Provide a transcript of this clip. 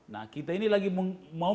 nah kita ini lagi mau